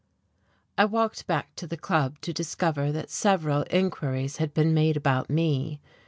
I walked back to the Club to discover that several inquiries had been made about me.